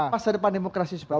masa depan demokrasi seperti ini